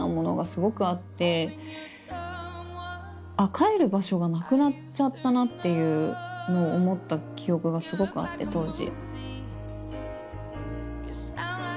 帰る場所がなくなっちゃったなっていうのを思った記憶がすごくあって当時。